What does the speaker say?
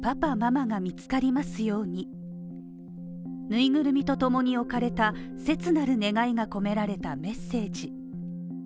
ぬいぐるみとともに置かれた切なる願いが込められたメッセージ。